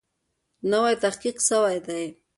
نوی تحقیق سوی دی.